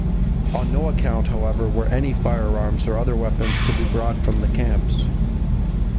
On no account, however, were any firearms or other weapons to be brought from the camps.